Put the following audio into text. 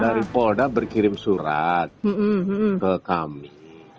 dari polda berkirim surat ke kami